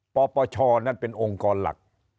ปปชนั้นเป็นองค์กรหลัก